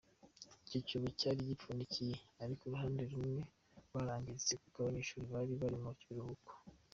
Icyo cyobo cyari gipfundikiye ariko uruhande rumwe rwarangiritse kuko abanyeshuri bari bari mu biruhuko.